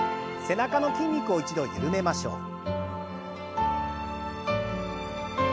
背中の筋肉を一度緩めましょう。